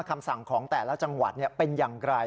คำสั่งของแต่ละจังหวัดเป็นอย่างไร